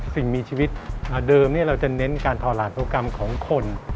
สิ่งมีชีวิตเดิมเราจะเน้นการทอหลานทุกกรรมของคน